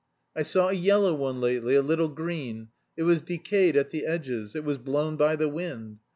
"I saw a yellow one lately, a little green. It was decayed at the edges. It was blown by the wind.